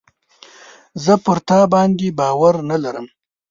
زه پر تا باندي باور نه لرم .